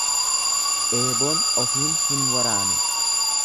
Eeboon ofiin hin waraanu.